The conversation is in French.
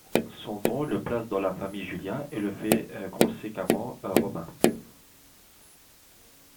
Son nom le place dans la famille Julia, et le fait conséquemment Romain.